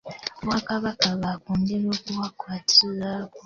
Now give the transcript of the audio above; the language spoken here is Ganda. Obwakabaka baakwongera okubakwatizaako.